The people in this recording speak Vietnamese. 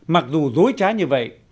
mặc dù dối trá như vậy